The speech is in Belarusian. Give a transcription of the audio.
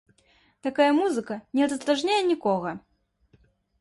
Такая музыка не раздражняе нікога.